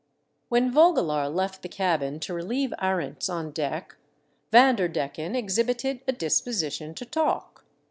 When Vogelaar left the cabin to relieve Arents on deck, Vanderdecken exhibited a disposition to talk.